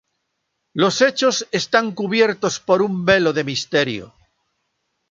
Los hechos están cubiertos por un velo de misterio.